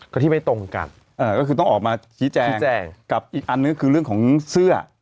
ก็ที่ไม่ตรงกันก็คือต้องออกมาชี้แจงชี้แจงกับอีกอันหนึ่งก็คือเรื่องของเสื้อ